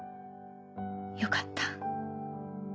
よかった。